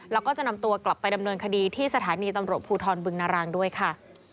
แล้วก็จะนำตัวกลับไปดำเนินคดีที่สถานีตำรวจภูทรบึงนารางด้วยค่ะ